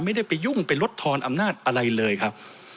ไม่ได้ไปยุ่งไปลดทอนอำนาจอะไรเลยครับ